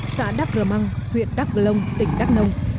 xã đắk rầmăng huyện đắk lông tỉnh đắk nông